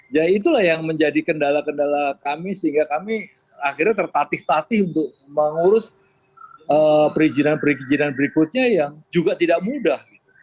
ya itulah yang menjadi kendala kendala kami sehingga kami akhirnya tertatih tatih untuk mengurus perizinan perizinan berikutnya yang juga tidak mudah